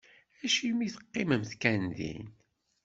Acimi i teqqimemt kan din?